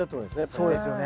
そうですよね。